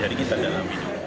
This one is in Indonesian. jadi kita dalami